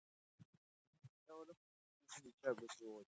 راځئ چې يو سوکاله افغانستان جوړ کړو.